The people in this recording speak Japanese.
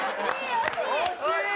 惜しい！